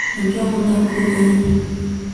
nibyo nkunda kuri wewe